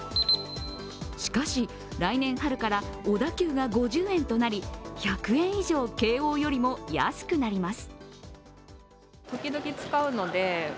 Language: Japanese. しかし来年春から小田急が５０円となり１００円以上京王よりも安くなります。